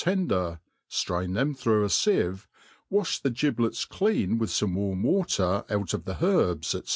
tender, ilraui thpoi through a fieve, wafh the giblets clean with fome warm water out of the herbs, '&c.